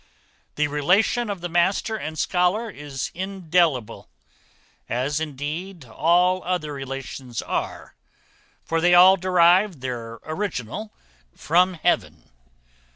The relation of the master and scholar is indelible; as, indeed, all other relations are; for they all derive their original from heaven.